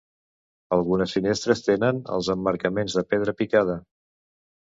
Algunes finestres tenen els emmarcaments de pedra picada.